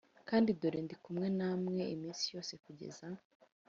Kandi dore ndi kumwe namwe iminsi yose kugeza